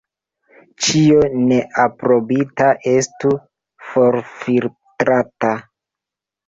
Ĉio neaprobita estu forfiltrata.